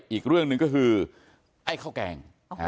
อีกเรื่องหนึ่งก็คือไอ้ข้าวแกง